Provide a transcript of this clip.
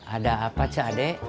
ada apa cak ade